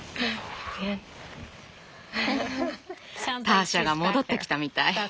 ターシャが戻ってきたみたい。